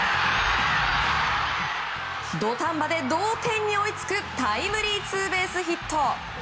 土壇場で同点に追いつくタイムリーツーベースヒット。